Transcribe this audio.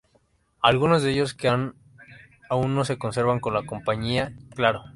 Algunos de ellos que aún se conservan con la compañía Claro.